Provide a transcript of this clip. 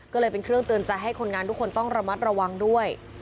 ก็เลยเป็นเครื่องเตือนใจให้คนงานทุกคนต้องระมัดระวังด้วย